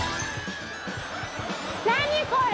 何これ！